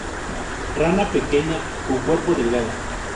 Rana pequeña con cuerpo delgado.